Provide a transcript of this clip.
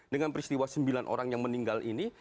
dengan peristiwa sembilan orang yang meninggal ini